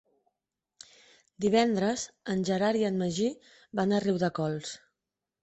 Divendres en Gerard i en Magí van a Riudecols.